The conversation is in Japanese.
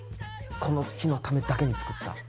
この日のためだけに作った。